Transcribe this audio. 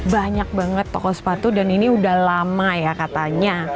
banyak banget toko sepatu dan ini udah lama ya katanya